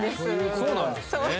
そうなんですね。